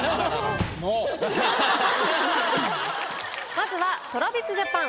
まずはＴｒａｖｉｓＪａｐａｎ